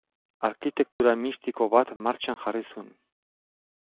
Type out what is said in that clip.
Arkitektura mistiko bat martxan jarri zuen.